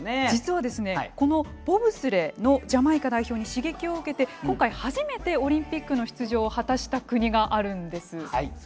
実は、このボブスレーのジャマイカ代表に刺激を受けて今回、初めてオリンピックの出場を果たした国があるんです。